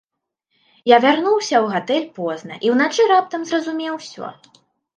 Я вярнуўся ў гатэль позна, і ўначы раптам зразумеў усё.